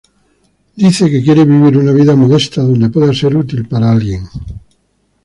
Él dice que quiere vivir una vida modesta donde pueda ser útil para alguien.